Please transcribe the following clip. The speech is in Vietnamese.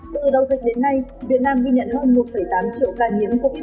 từ đầu dịch đến nay việt nam ghi nhận hơn một tám triệu ca nhiễm covid một mươi chín